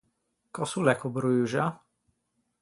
Cös’o l’é ch’o bruxa?